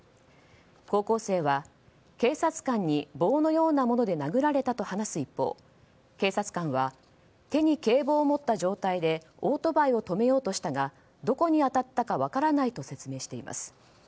高校生は警察官に棒のようなもので殴られたと話す一方警察官は手に警棒を持った状態でオートバイを止めようとしたがどこに当たったか分からないと説明しています。